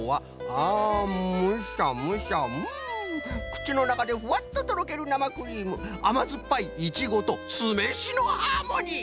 あムシャムシャうんくちのなかでふわっととろけるなまクリームあまずっぱいイチゴとすめしのハーモニー。